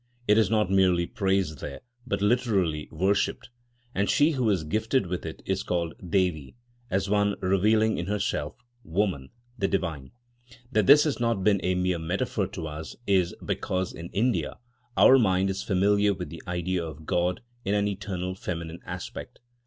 It is not merely praised there, but literally worshipped; and she who is gifted with it is called Devi, as one revealing in herself Woman, the Divine. That this has not been a mere metaphor to us is because, in India, our mind is familiar with the idea of God in an eternal feminine aspect.